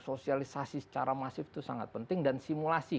sosialisasi secara masif itu sangat penting dan simulasi